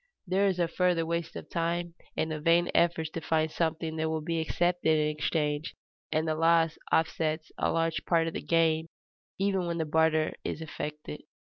There is a further waste of time and of vain efforts to find something that will be accepted in exchange, and the loss offsets a large part of the gain even when the barter is effected.